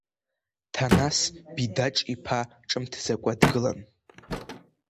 Ҭанас Бидаҿ-иԥа ҿымҭӡакәа дгылан.